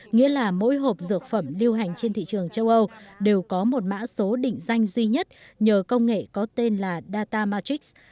nghĩa là mỗi hộp dược phẩm lưu hành trên thị trường châu âu đều có một mã số định danh duy nhất nhờ công nghệ có tên là data matrix